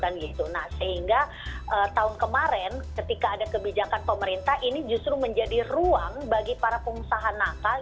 nah sehingga tahun kemarin ketika ada kebijakan pemerintah ini justru menjadi ruang bagi para pengusaha nakal